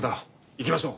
行きましょう。